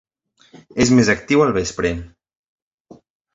És més actiu al vespre.